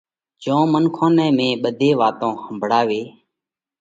جئيون منکون نئہ مئين ٻڌئي وات ۿمڀۯاوئِيه۔